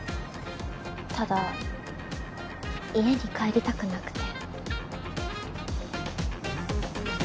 ただ家に帰りたくなくて。